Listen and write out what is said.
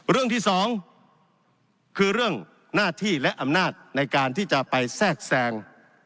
เรื่องที่สองคือเรื่องหน้าที่และอำนาจในการที่จะไปแทรกแทรง